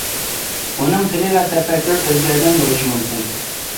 ئۇنىڭ تىلى ۋە تەپەككۇرى ئۆزگەرگەن بولۇشى مۇمكىن.